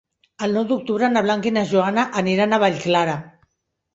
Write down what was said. El nou d'octubre na Blanca i na Joana aniran a Vallclara.